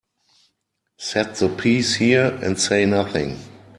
Set the piece here and say nothing.